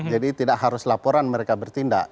jadi tidak harus laporan mereka bertindak